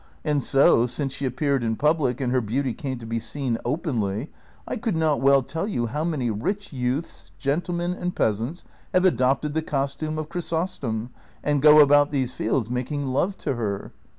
And so, since she api)eared in })ublic, and her beauty came to be seen openly, I could not well tell you how many rich youths, gentlemen and peasants, have adopted the costume of Chrysostom, and go about these fields making love to her.